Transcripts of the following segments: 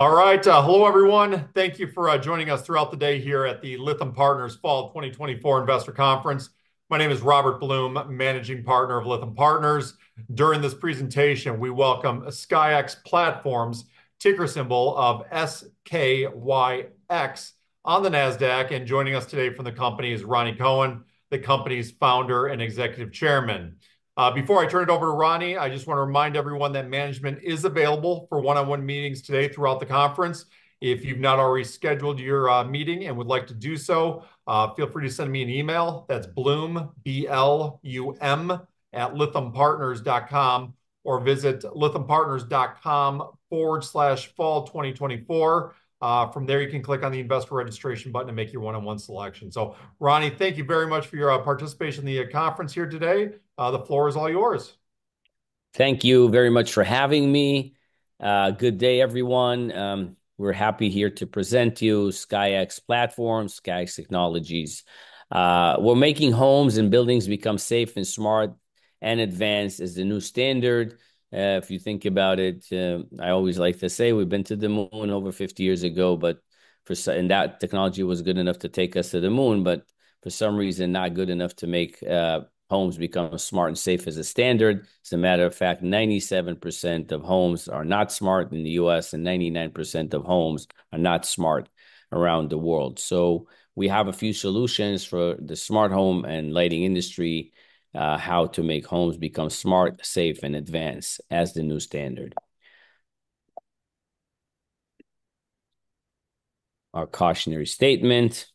All right. Hello everyone. Thank you for joining us throughout the day here at the Lytham Partners Fall 2024 Investor Conference. My name is Robert Blum, Managing Partner of Lytham Partners. During this presentation, we welcome SkyX Platforms, ticker symbol of S-K-Y-X on the Nasdaq, and joining us today from the company is Rani Kohen, the company's founder and Executive Chairman. Before I turn it over to Rani, I just want to remind everyone that management is available for one-on-one meetings today throughout the conference. If you've not already scheduled your meeting and would like to do so, feel free to send me an email. That's Blum, B-L-U-M, @lythampartners.com, or visit lythampartners.com/fall2024. From there, you can click on the Investor Registration button to make your one-on-one selection. Rani, thank you very much for your participation in the conference here today. The floor is all yours. Thank you very much for having me. Good day, everyone. We're happy here to present to you SkyX Platforms, SkyX Technologies. We're making homes and buildings become safe and smart and advanced as the new standard. If you think about it, I always like to say we've been to the moon over 50 years ago, but that technology was good enough to take us to the moon, but for some reason, not good enough to make homes become smart and safe as a standard. As a matter of fact, 97% of homes are not smart in the U.S., and 99% of homes are not smart around the world. So we have a few solutions for the smart home and lighting industry, how to make homes become smart, safe, and advanced as the new standard. Our cautionary statement.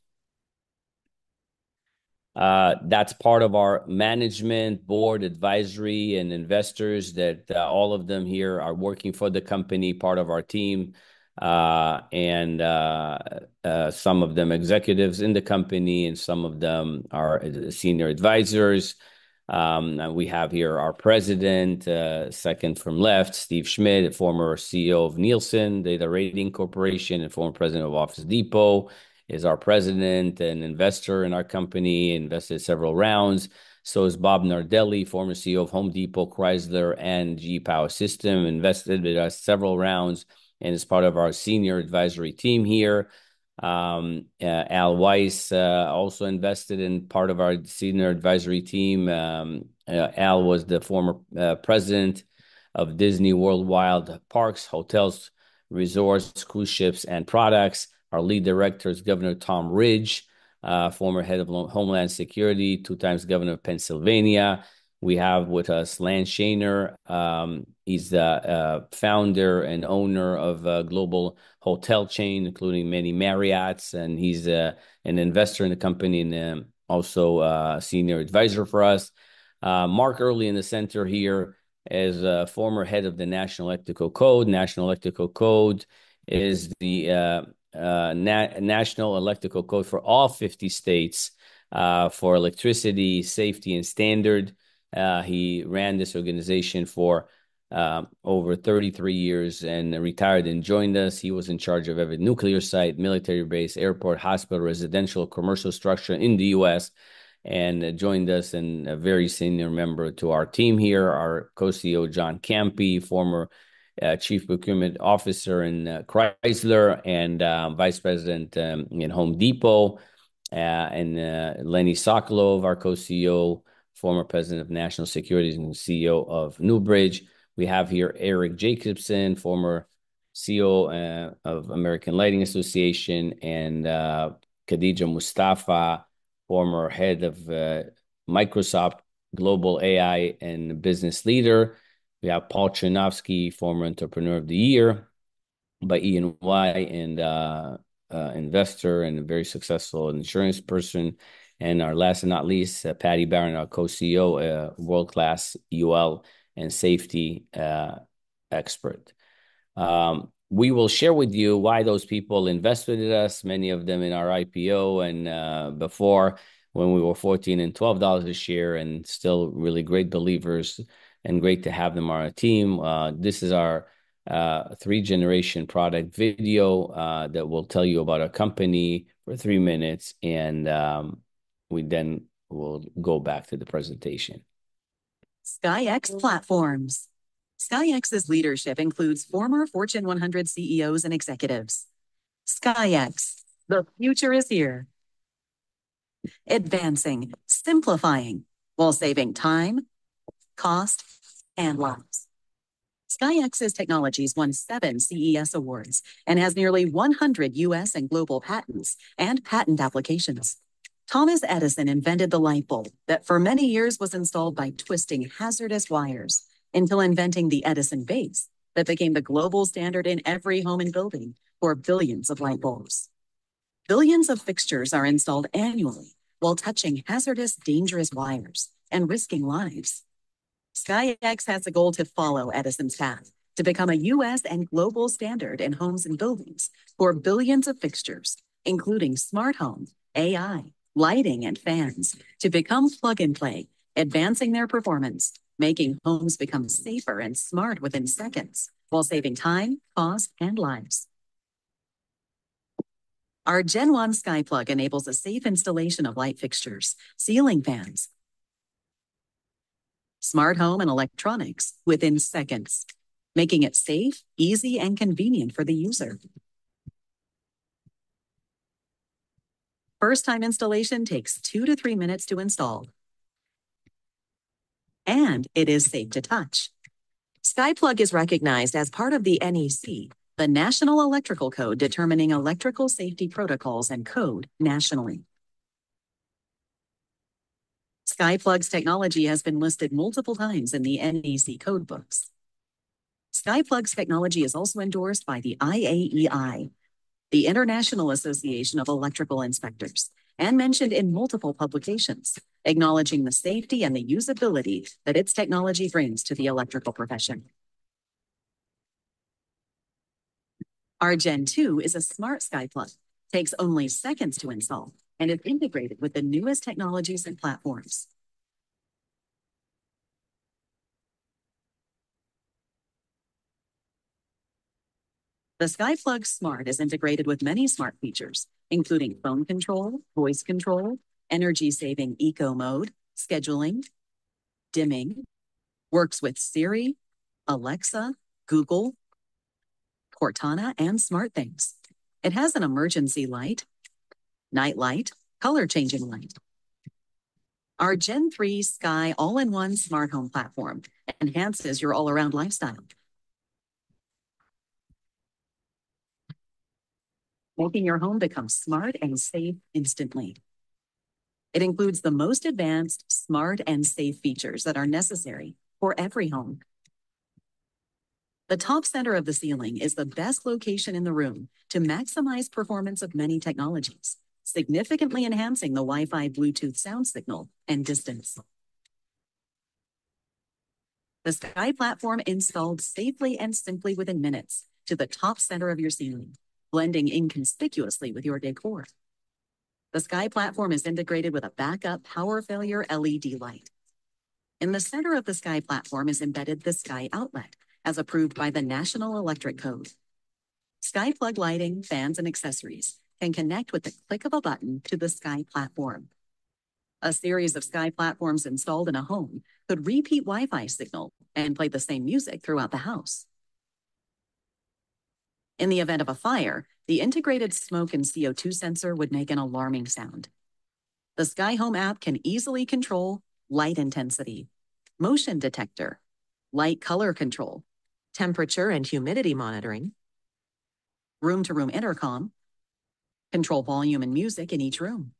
That's part of our management, board, advisory, and investors that all of them here are working for the company, part of our team, and some of them executives in the company, and some of them are senior advisors. We have here our president, second from left, Steven Schmidt, a former CEO of Nielsen Data Rating and former president of Office Depot, is our president and investor in our company, invested several rounds. So is Bob Nardelli, former CEO of Home Depot, Chrysler, and GE Power Systems, invested with us several rounds and is part of our senior advisory team here. Al Weiss also invested and part of our senior advisory team. Al was the former president of Disney Worldwide Parks, Hotels, Resorts, Cruise Ships, and Products. Our lead director is Governor Tom Ridge, former head of Homeland Security, two times Governor of Pennsylvania. We have with us Lance Shaner, he's the founder and owner of a global hotel chain, including many Marriotts, and he's an investor in the company and also senior advisor for us. Mark Earley in the center here is former head of the National Electrical Code. National Electrical Code is the National Electrical Code for all 50 states for electricity, safety, and standard. He ran this organization for over 33 years and then retired and joined us. He was in charge of every nuclear site, military base, airport, hospital, residential, commercial structure in the U.S., and a very senior member of our team here. Our co-CEO, John Campi, former Chief Procurement Officer in Chrysler and Vice President in Home Depot. And Lenny Sokolow, our co-CEO, former President of National Securities and CEO of Newbridge. We have here Eric Jacobson, former CEO of American Lighting Association, and Khadija Mustafa, former head of Microsoft Global AI and business leader. We have Paul Cernohous, former Entrepreneur of the Year by EY and investor and a very successful insurance person. Our last but not least, Patricia Barron, our co-CEO, a world-class UL and safety expert. We will share with you why those people invested in us, many of them in our IPO and before, when we were $14 and $12 a share, and still really great believers and great to have them on our team. This is our three-generation product video that will tell you about our company for three minutes, and we then will go back to the presentation. SkyX Platforms. SkyX's leadership includes former Fortune 100 CEOs and executives. SkyX, the future is here. Advancing, simplifying, while saving time, cost, and lives. SkyX's technologies won seven CES awards and has nearly 100 U.S. and global patents and patent applications. Thomas Edison invented the light bulb, that for many years was installed by twisting hazardous wires, until inventing the Edison base that became the global standard in every home and building for billions of light bulbs. Billions of fixtures are installed annually while touching hazardous, dangerous wires and risking lives. SkyX has a goal to follow Edison's path, to become a U.S. and global standard in homes and buildings for billions of fixtures, including smart homes, AI, lighting, and fans, to become plug-and-play, advancing their performance, making homes become safer and smart within seconds, while saving time, cost, and lives. Our Gen-1 SkyPlug enables a safe installation of light fixtures, ceiling fans, smart home and electronics within seconds, making it safe, easy, and convenient for the user. First time installation takes 2-3 minutes to install, and it is safe to touch. SkyPlug is recognized as part of the NEC, the National Electrical Code, determining electrical safety protocols and code nationally. SkyPlug's technology has been listed multiple times in the NEC code books. SkyPlug's technology is also endorsed by the IAEI, the International Association of Electrical Inspectors, and mentioned in multiple publications, acknowledging the safety and the usability that its technology brings to the electrical profession. Our Gen-2 is a smart SkyPlug, takes only seconds to install, and is integrated with the newest technologies and platforms. The SkyPlug Smart is integrated with many smart features, including phone control, voice control, energy-saving eco mode, scheduling, dimming, works with Siri, Alexa, Google, Cortana, and SmartThings. It has an emergency light, night light, color-changing light. Our Gen-3 Sky All-in-One smart home platform enhances your all-around lifestyle, making your home become smart and safe instantly. It includes the most advanced, smart, and safe features that are necessary for every home. The top center of the ceiling is the best location in the room to maximize performance of many technologies, significantly enhancing the Wi-Fi/Bluetooth sound signal and distance. The Sky Platform installed safely and simply within minutes to the top center of your ceiling, blending inconspicuously with your decor. The Sky Platform is integrated with a backup power failure LED light. In the center of the Sky Platform is embedded the Sky Outlet, as approved by the National Electrical Code. SkyPlug lighting, fans, and accessories can connect with the click of a button to the Sky Platform. A series of Sky Platforms installed in a home could repeat Wi-Fi signal and play the same music throughout the house. In the event of a fire, the integrated smoke and CO2 sensor would make an alarming sound. The SkyHome app can easily control light intensity, motion detector, light color control, temperature and humidity monitoring, room-to-room intercom, control volume and music in each room.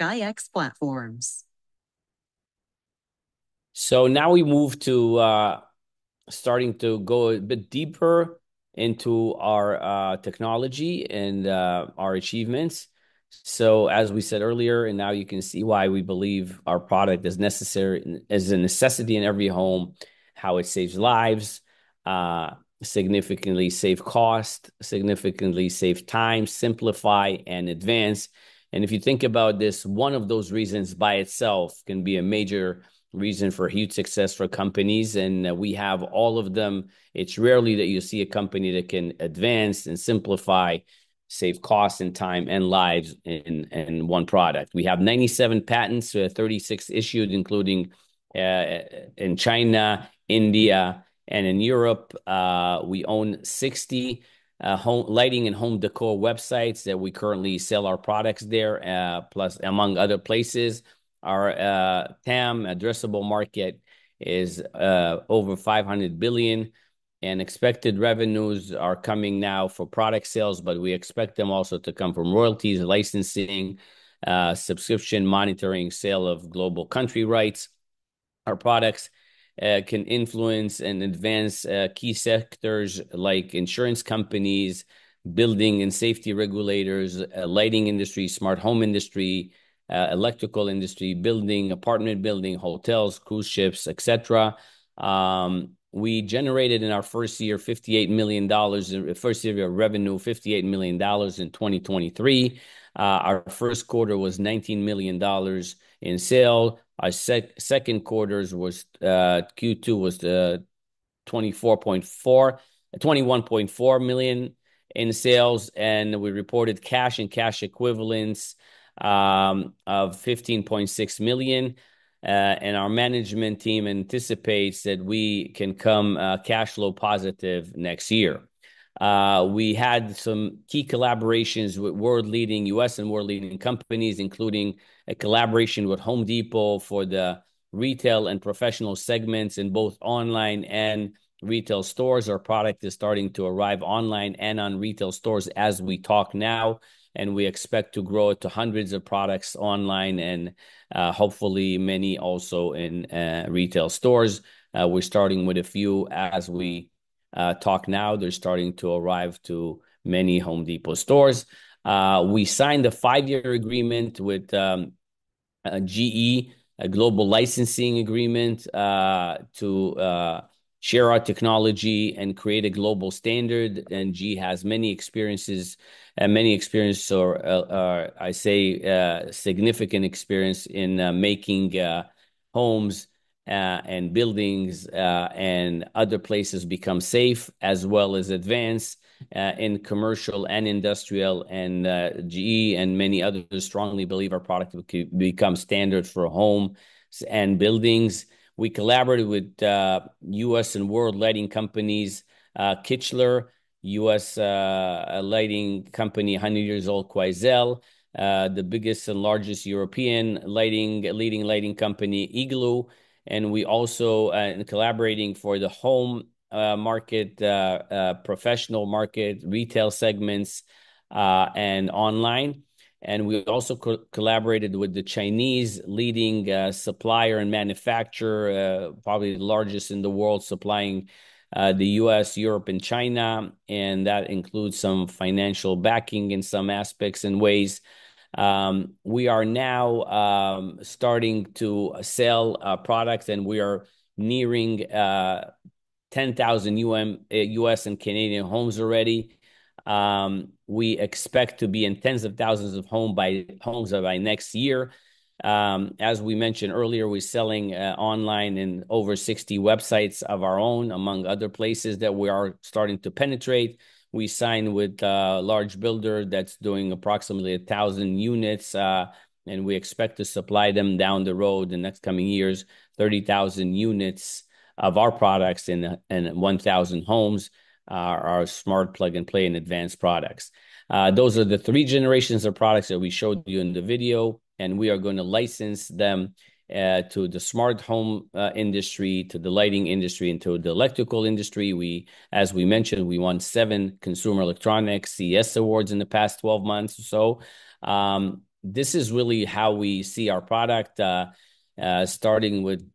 SkyX Platforms. So now we move to, starting to go a bit deeper into our, technology and, our achievements. So as we said earlier, and now you can see why we believe our product is necessary, is a necessity in every home, how it saves lives, significantly save cost, significantly save time, simplify, and advance. And if you think about this, one of those reasons by itself can be a major reason for huge success for companies, and we have all of them. It's rarely that you see a company that can advance and simplify, save costs and time and lives in one product. We have 97 patents, with 36 issued, including, in China, India, and in Europe. We own 60, home lighting and home decor websites that we currently sell our products there, plus among other places. Our TAM addressable market is over $500 billion, and expected revenues are coming now for product sales, but we expect them also to come from royalties, licensing, subscription, monitoring, sale of global country rights. Our products can influence and advance key sectors like insurance companies, building and safety regulators, lighting industry, smart home industry, electrical industry, building, apartment building, hotels, cruise ships, et cetera. We generated in our first year $58 million. First year of revenue, $58 million in 2023. Our first quarter was $19 million in sales. Our second quarter was Q2 was $21.4 million in sales, and we reported cash and cash equivalents of $15.6 million. Our management team anticipates that we can come cash flow positive next year. We had some key collaborations with world-leading, U.S. and world-leading companies, including a collaboration with Home Depot for the retail and professional segments in both online and retail stores. Our product is starting to arrive online and on retail stores as we talk now, and we expect to grow it to hundreds of products online and, hopefully many also in, retail stores. We're starting with a few as we talk now. They're starting to arrive to many Home Depot stores. We signed a 5-year agreement with GE, a global licensing agreement, to share our technology and create a global standard. And GE has many experiences or, I say, significant experience in making homes-... and buildings and other places become safe, as well as advanced in commercial and industrial, and GE and many others strongly believe our product will become standard for homes and buildings. We collaborated with U.S. and world-leading companies, Kichler, U.S. lighting company, 100 years old, Quoizel, the biggest and largest European lighting leading lighting company, EGLO, and we also in collaborating for the home market, professional market, retail segments, and online. And we also collaborated with the Chinese leading supplier and manufacturer, probably the largest in the world, supplying the U.S., Europe, and China, and that includes some financial backing in some aspects and ways. We are now starting to sell products, and we are nearing 10,000 U.S. and Canadian homes already. We expect to be in tens of thousands of homes by next year. As we mentioned earlier, we're selling online in over 60 websites of our own, among other places that we are starting to penetrate. We signed with a large builder that's doing approximately 1,000 units, and we expect to supply them down the road in the next coming years, 30,000 units of our products in 1,000 homes, our smart plug-and-play and advanced products. Those are the three generations of products that we showed you in the video, and we are gonna license them to the smart home industry, to the lighting industry, and to the electrical industry. As we mentioned, we won seven Consumer Electronics CES Awards in the past twelve months or so. This is really how we see our product, starting with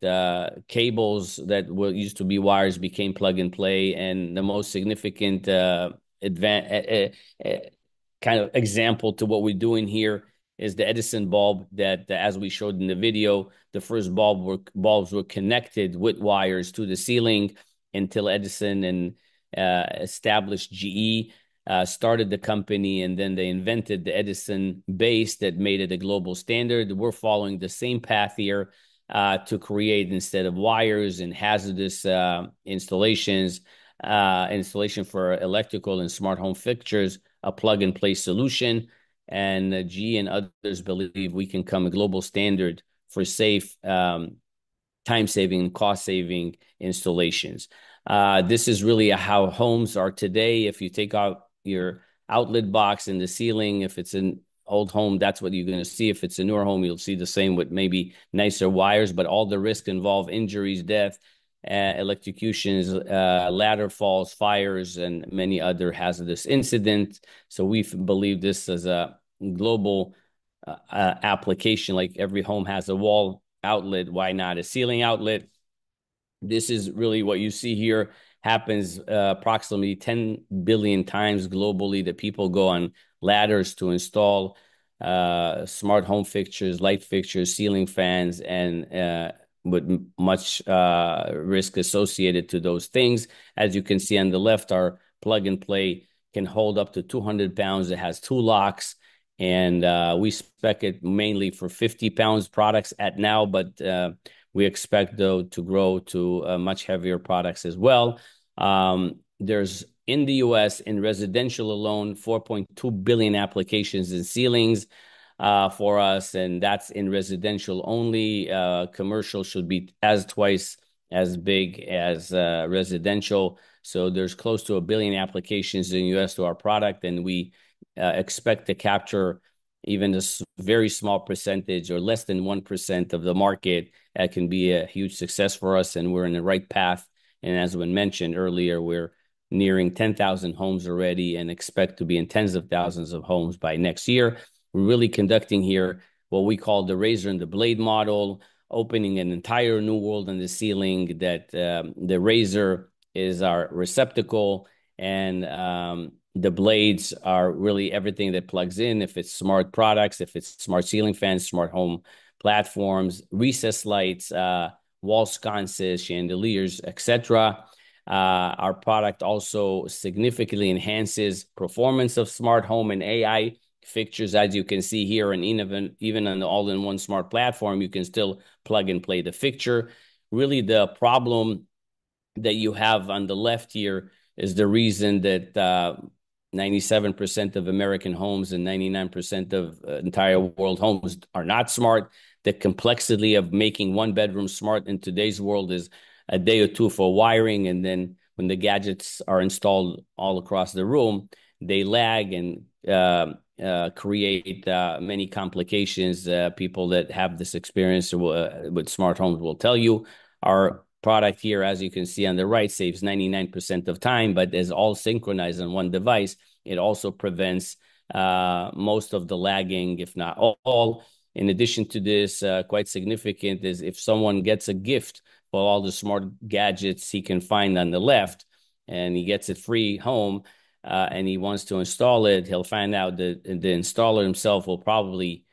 cables that used to be wires, became plug-and-play, and the most significant kind of example to what we're doing here is the Edison bulb that, as we showed in the video, the first bulbs were connected with wires to the ceiling until Edison and established GE started the company, and then they invented the Edison base that made it a global standard. We're following the same path here to create, instead of wires and hazardous installations, installation for electrical and smart home fixtures, a plug-and-play solution. And GE and others believe we can become a global standard for safe, time-saving, cost-saving installations. This is really how homes are today. If you take out your outlet box in the ceiling, if it's an old home, that's what you're gonna see. If it's a newer home, you'll see the same with maybe nicer wires, but all the risk involve injuries, death, electrocutions, ladder falls, fires, and many other hazardous incidents, so we believe this is a global application. Like, every home has a wall outlet, why not a ceiling outlet? This is really what you see here, happens approximately 10x billion globally, that people go on ladders to install smart home fixtures, light fixtures, ceiling fans, and with much risk associated to those things. As you can see on the left, our plug-and-play can hold up to 200 lbs. It has two locks, and we spec it mainly for 50-pound products right now, but we expect, though, to grow to much heavier products as well. There's, in the U.S. in residential alone, 4.2 billion applications in ceilings for us, and that's in residential only. Commercial should be as twice as big as residential. So there's close to 1 billion applications in the U.S. to our product, and we expect to capture even a very small percentage or less than 1% of the market. That can be a huge success for us, and we're in the right path. As was mentioned earlier, we're nearing 10,000 homes already and expect to be in tens of thousands of homes by next year. We're really conducting here what we call the razor and the blade model, opening an entire new world in the ceiling that the razor is our receptacle, and the blades are really everything that plugs in. If it's smart products, if it's smart ceiling fans, smart home platforms, recessed lights, wall sconces, chandeliers, et cetera. Our product also significantly enhances performance of smart home and AI fixtures. As you can see here, and even on the all-in-one smart platform, you can still plug-and-play the fixture. Really, the problem that you have on the left here is the reason that 97% of American homes and 99% of entire world homes are not smart. The complexity of making one bedroom smart in today's world is a day or two for wiring, and then when the gadgets are installed all across the room, they lag and create many complications. People that have this experience with smart homes will tell you. Our product here, as you can see on the right, saves 99% of time, but is all synchronized on one device. It also prevents most of the lagging, if not all. In addition to this, quite significant is if someone gets a gift of all the smart gadgets he can find on the left, and he gets a free home, and he wants to install it. He'll find out that the installer himself will probably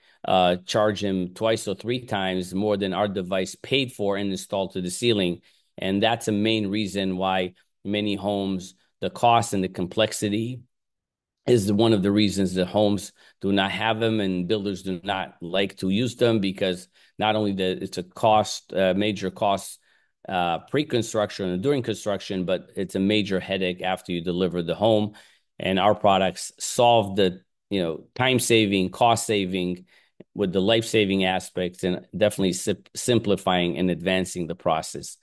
charge him twice or three times more than our device paid for and installed to the ceiling. And that's the main reason why many homes, the cost and the complexity is one of the reasons that homes do not have them, and builders do not like to use them, because not only it's a cost, major cost, pre-construction and during construction, but it's a major headache after you deliver the home. And our products solve the, you know, time-saving, cost-saving, with the life-saving aspects and definitely simplifying and advancing the process.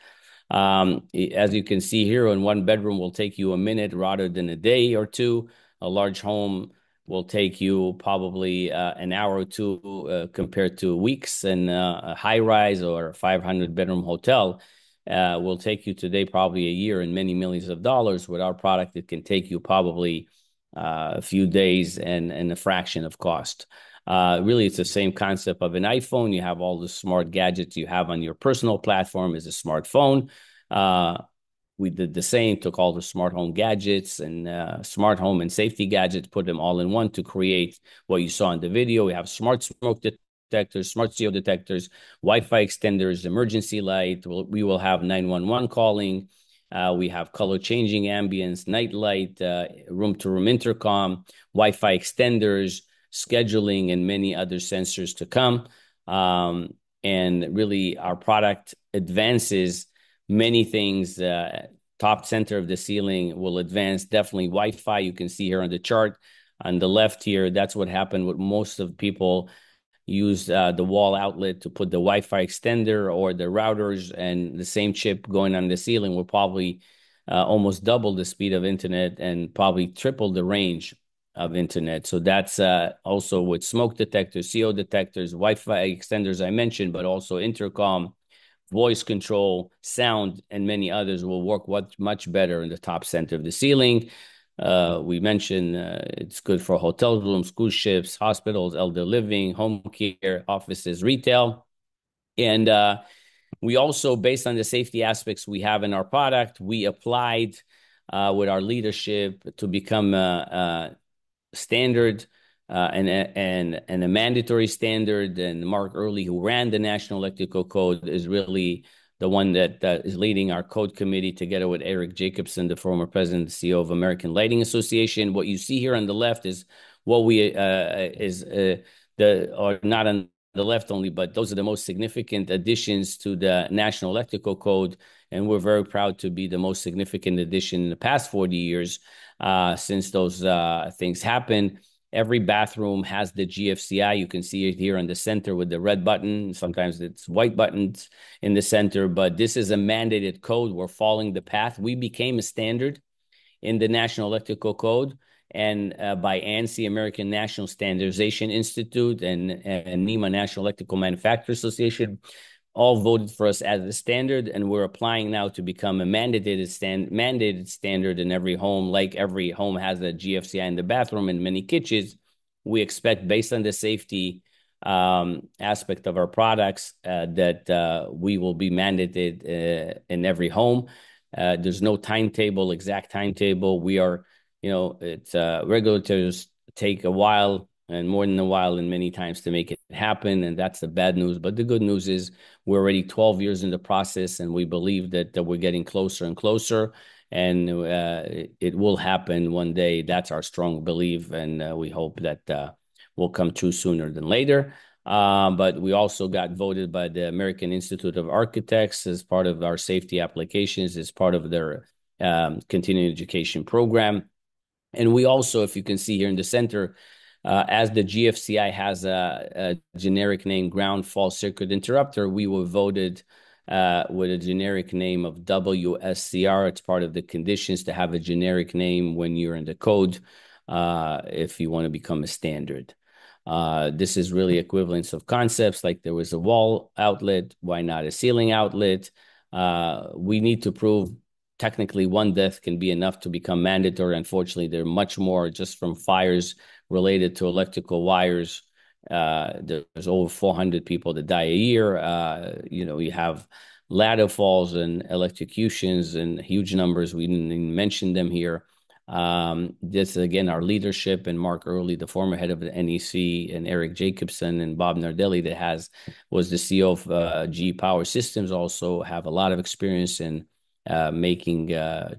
As you can see here, on one bedroom will take you a minute rather than a day or two. A large home will take you probably an hour or two compared to weeks, and a high-rise or a 500-bedroom hotel will take you today probably a year and many millions of dollars. With our product, it can take you probably a few days and a fraction of cost. Really, it's the same concept of an iPhone. You have all the smart gadgets you have on your personal platform as a smartphone. We did the same, took all the smart home gadgets and smart home and safety gadgets, put them all in one to create what you saw in the video. We have smart smoke detectors, smart CO detectors, Wi-Fi extenders, emergency light. We will have nine one one calling. We have color-changing ambiance, night light, room-to-room intercom, Wi-Fi extenders, scheduling, and many other sensors to come, and really, our product advances many things. Top center of the ceiling will advance definitely Wi-Fi. You can see here on the chart on the left here, that's what happened with most of people use the wall outlet to put the Wi-Fi extender or the routers, and the same chip going on the ceiling will probably almost double the speed of internet and probably triple the range of internet. So that's also with smoke detectors, CO detectors, Wi-Fi extenders, I mentioned, but also intercom, voice control, sound, and many others will work much better in the top center of the ceiling. We mentioned it's good for hotel rooms, cruise ships, hospitals, elder living, home care, offices, retail, and we also, based on the safety aspects we have in our product, we applied with our leadership to become a standard and a mandatory standard. And Mark Earley, who ran the National Electrical Code, is really the one that is leading our code committee, together with Eric Jacobson, the former president and CEO of American Lighting Association. What you see here on the left is what we or not on the left only, but those are the most significant additions to the National Electrical Code, and we're very proud to be the most significant addition in the past forty years, since those things happened. Every bathroom has the GFCI. You can see it here on the center with the red button. Sometimes it's white buttons in the center, but this is a mandated code. We're following the path. We became a standard in the National Electrical Code, and by ANSI, American National Standards Institute, and NEMA, National Electrical Manufacturers Association, all voted for us as the standard, and we're applying now to become a mandated standard in every home. Like every home has a GFCI in the bathroom and many kitchens, we expect, based on the safety aspect of our products, that we will be mandated in every home. There's no exact timetable. You know, regulators take a while, and more than a while, and many times to make it happen, and that's the bad news. But the good news is we're already 12 years in the process, and we believe that we're getting closer and closer, and it will happen one day. That's our strong belief, and we hope that will come true sooner than later, but we also got voted by the American Institute of Architects as part of our safety applications, as part of their continuing education program, and we also, if you can see here in the center, as the GFCI has a generic name, Ground Fault Circuit Interrupter, we were voted with a generic name of WSCR. It's part of the conditions to have a generic name when you're in the code, if you wanna become a standard. This is really equivalence of concepts, like there was a wall outlet, why not a ceiling outlet? We need to prove technically, one death can be enough to become mandatory. Unfortunately, there are much more just from fires related to electrical wires. There's over 400 people that die a year. You know, you have ladder falls and electrocutions and huge numbers. We didn't even mention them here. This, again, our leadership and Mark Earley, the former head of the NEC, and Eric Jacobson and Bob Nardelli, that was the CEO of GE Power Systems, also have a lot of experience in making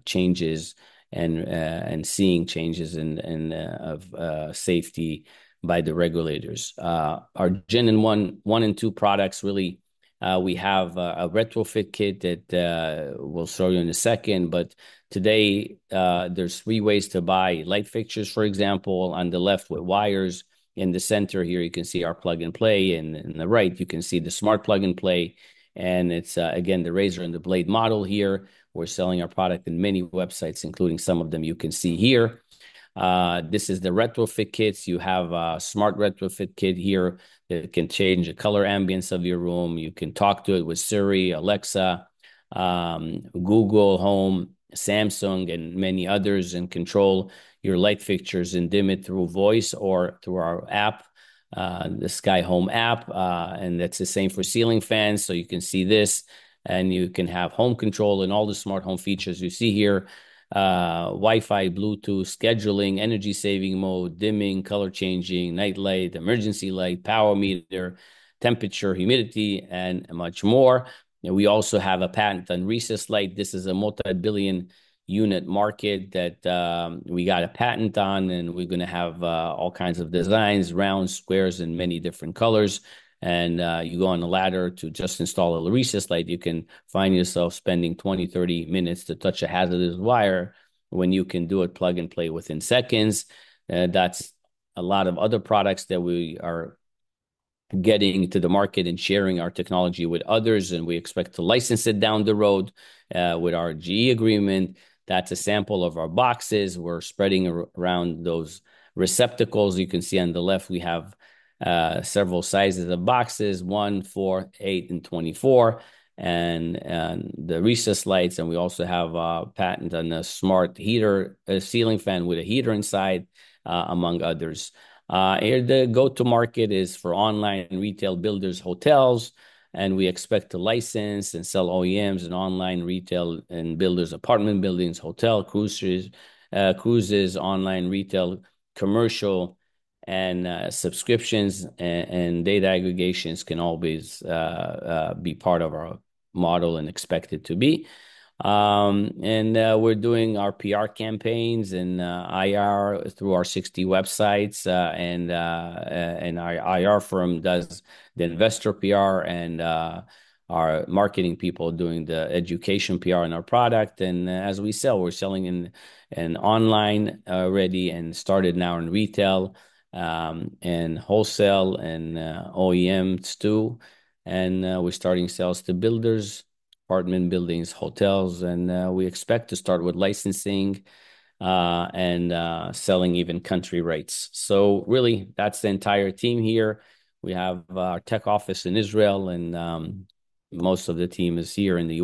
changes and seeing changes in safety by the regulators. Our Gen-1, one and two products, really, we have a retrofit kit that we'll show you in a second. But today, there's three ways to buy light fixtures, for example, on the left, with wires. In the center here, you can see our Plug and Play, and on the right, you can see the Smart Plug and Play, and it's again the razor and the blade model here. We're selling our product in many websites, including some of them you can see here. This is the retrofit kits. You have a smart retrofit kit here. It can change the color ambiance of your room. You can talk to it with Siri, Alexa, Google Home, Samsung, and many others, and control your light fixtures and dim it through voice or through our app, the SkyHome app, and that's the same for ceiling fans, so you can see this, and you can have home control and all the smart home features you see here. Wi-Fi, Bluetooth, scheduling, energy-saving mode, dimming, color changing, night light, emergency light, power meter, temperature, humidity, and much more. And we also have a patent on recessed light. This is a multi-billion-unit market that we got a patent on, and we're gonna have all kinds of designs, rounds, squares, and many different colors. And you go on the ladder to just install a recessed light. You can find yourself spending 20, 30 minutes to touch a hazardous wire when you can do it Plug and Play within seconds. That's a lot of other products that we are getting to the market and sharing our technology with others, and we expect to license it down the road with our GE agreement. That's a sample of our boxes. We're spreading around those receptacles. You can see on the left, we have several sizes of boxes, one, four, eight, and 24, and the recessed lights, and we also have a patent on the smart heater, a ceiling fan with a heater inside, among others. The go-to-market is for online and retail builders, hotels, and we expect to license and sell OEMs and online retail and builders, apartment buildings, hotel, cruises, online retail, commercial, and subscriptions and data aggregations can always be part of our model and expected to be. We're doing our PR campaigns and IR through our 60 websites, and our IR firm does the investor PR, and our marketing people doing the education PR on our product. And, as we sell, we're selling online already and started now in retail, and wholesale, and OEMs, too. And, we're starting sales to builders, apartment buildings, hotels, and, we expect to start with licensing, and, selling even country rights. So really, that's the entire team here. We have our tech office in Israel, and, most of the team is here in the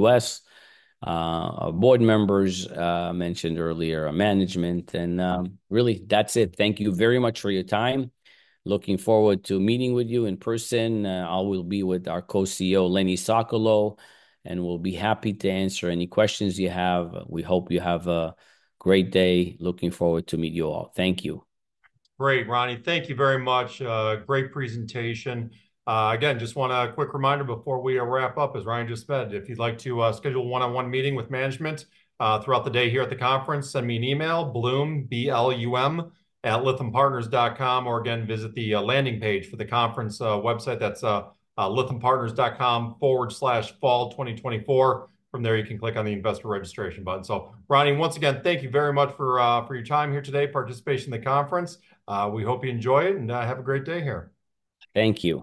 U.S. Our board members mentioned earlier, our management, and, really, that's it. Thank you very much for your time. Looking forward to meeting with you in person. I will be with our Co-CEO, Lenny Sokolow, and we'll be happy to answer any questions you have. We hope you have a great day. Looking forward to meet you all. Thank you. Great, Rani. Thank you very much. Great presentation. Again, just want a quick reminder before we wrap up, as Rani just said, if you'd like to schedule a one-on-one meeting with management throughout the day here at the conference, send me an email, Blum, B-L-U-M, @lythampartners.com, or again, visit the landing page for the conference website. That's lythampartners.com/fall2024. From there, you can click on the Investor Registration button. So Rani, once again, thank you very much for your time here today, participation in the conference. We hope you enjoy it, and have a great day here. Thank you.